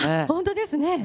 本当ですね。